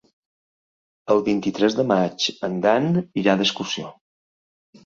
El vint-i-tres de maig en Dan irà d'excursió.